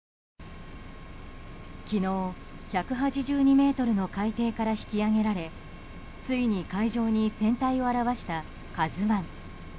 昨日、１８２ｍの海底から引き揚げられついに海上に船体を現した「ＫＡＺＵ１」。